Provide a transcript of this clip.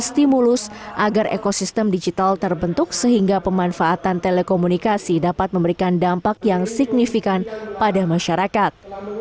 stimulus agar ekosistem digital terbentuk sehingga pemanfaatan telekomunikasi dapat memberikan dampak yang signifikan pada masyarakat